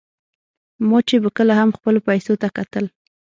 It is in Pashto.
ما چې به کله هم خپلو پیسو ته کتل.